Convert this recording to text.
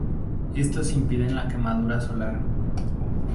Estos impiden la quemadura solar.